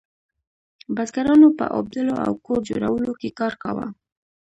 بزګرانو په اوبدلو او کور جوړولو کې کار کاوه.